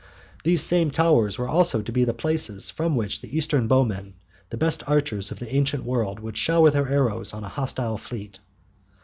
These same towers were also to be the places from which the Eastern bowmen, the best archers of the ancient world, would shower their arrows on a hostile fleet.